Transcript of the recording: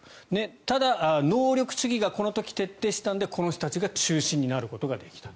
ただ能力主義がこの時徹底していたのでこの人たちが中心になることができた。